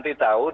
dia tidak boleh